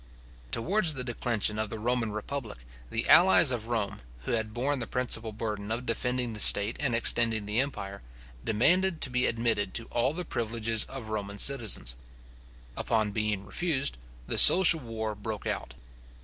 Towards the declension of the Roman republic, the allies of Rome, who had borne the principal burden of defending the state and extending the empire, demanded to be admitted to all the privileges of Roman citizens. Upon being refused, the social war broke out.